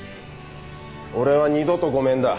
俺は二度とごめんだ